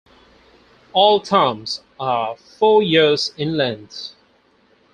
All terms are four years in length.